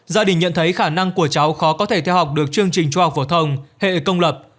gia đình nhận thấy khả năng của cháu khó có thể theo học được chương trình trung học phổ thông hệ công lập